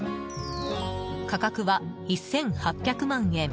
価格は１８００万円。